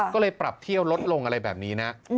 ก็เลยปรับเที่ยวลดลงอะไรแบบนี้นะ